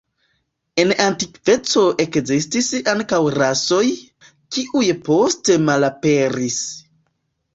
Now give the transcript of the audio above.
En antikveco ekzistis ankaŭ rasoj, kiuj poste malaperis.